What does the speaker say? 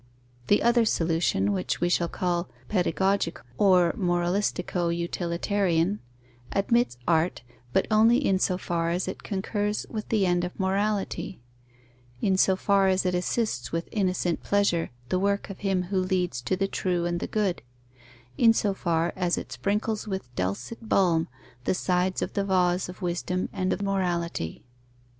The other solution, which we shall call pedagogic or moralistico utilitarian, admits art, but only in so far as it concurs with the end of morality; in so far as it assists with innocent pleasure the work of him who leads to the true and the good; in so far as it sprinkles with dulcet balm the sides of the vase of wisdom and of morality.